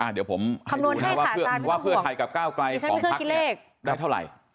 เดี๋ยวผมให้ดูนะว่าเพื่อไทยกับเก้าไกรของพรรคได้เท่าไหร่